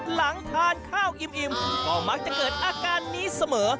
หลังทานข้าวอิ่มก็มักจะเกิดอาการนี้เสมอ